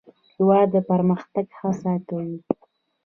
هېواد د پرمختګ هڅه کوي.